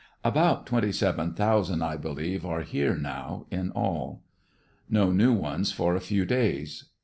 About twenty seven thousand, I believe, are here now in all. No new ones for a few days.